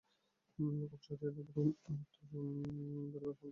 খুব সহজেই এ ধাঁধার উত্তর বের করা যায়।